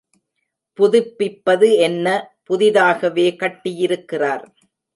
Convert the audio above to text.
புதுப்பிப்பது என்ன, புதிதாகவே கட்டியிருக்கிறார்.